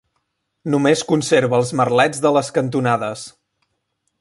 Només conserva els merlets de les cantonades.